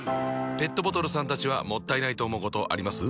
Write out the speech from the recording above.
ペットボトルさんたちはもったいないと思うことあります？